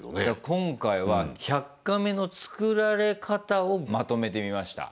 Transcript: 今回は「１００カメ」の作られ方をまとめてみました。